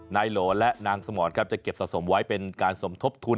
โหลและนางสมรครับจะเก็บสะสมไว้เป็นการสมทบทุน